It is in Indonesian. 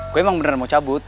gue emang beneran mau cabut